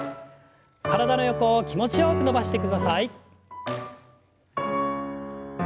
体の横を気持ちよく伸ばしてください。